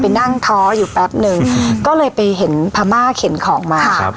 นั่งท้ออยู่แป๊บนึงก็เลยไปเห็นพม่าเข็นของมาครับ